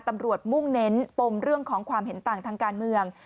มุ่งเน้นปมเรื่องของความเห็นต่างทางการเมือง